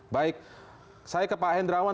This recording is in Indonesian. baik saya ke pak hendrawan